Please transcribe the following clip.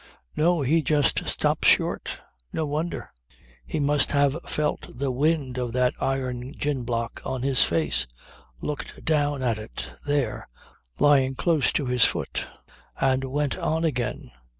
No, he just stopped short no wonder; he must have felt the wind of that iron gin block on his face looked down at it, there, lying close to his foot and went on again.